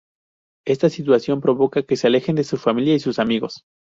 Esta situación provoca que se alejen de su familia y sus amigos.